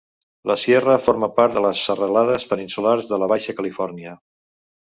La Sierra forma part de les serralades peninsulars de la baixa Califòrnia.